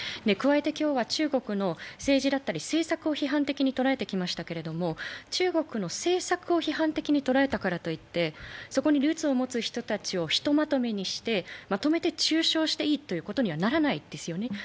加えて今日は中国の政治だったり政策を批判的に捉えてきましたが中国の政策を批判的に捉えたからといって、そこにルーツを持つ人たちをひとまとめにして、まとめて中傷していいことにはならないですよね。